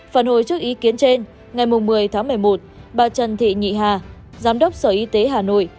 phản hồi trước ý kiến trên ngày một mươi tháng một mươi một bà trần thị nhị hà giám đốc sở y tế hà nội